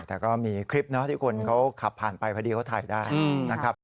แต่ก็มีคลิปเนาะที่คนเขาขับผ่านไปพอดีเขาถ่ายได้นะครับ